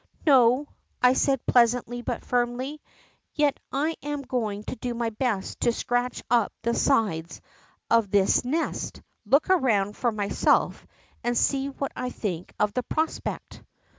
^ Ko,' I said, pleasantly but firmly, ^ yet I am THE EAGLE'S NEST 67 going to do my best to scratch up the sides of this nest, look around for myself and see what I think of the prospect.